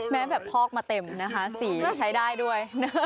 แบบพอกมาเต็มนะคะสีใช้ได้ด้วย